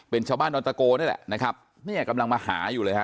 เป็นชาวบ้านดอนตะโกนี่แหละนะครับเนี่ยกำลังมาหาอยู่เลยฮะ